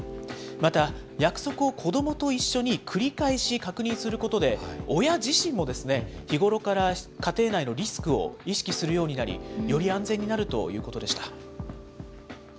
また、約束をこどもと一緒に繰り返し確認することで、親自身も日頃から家庭内のリスクを意識するようになり、より安全になるということでした。